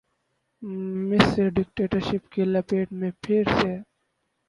مصر ڈکٹیٹرشپ کی لپیٹ میں پھر سے ہے۔